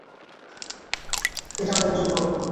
এটা আমরা দুজন করবো না।